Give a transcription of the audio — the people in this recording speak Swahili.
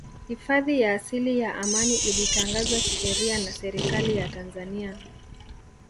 Hifadhi ya asili ya Amani ilitangazwa kisheria na Serikali ya Tanzania